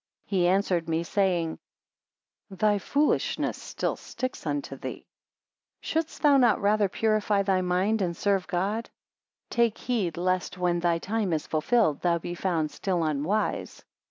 He answered me, saying; Thy foolishness still sticks unto thee. 34. Shouldst thou not rather purify thy mind, and serve God? Take heed, lest when thy time is fulfilled, thou be found still unwise.